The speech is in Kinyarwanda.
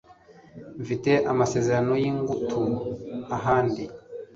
Mfite amasezerano yingutu ahandi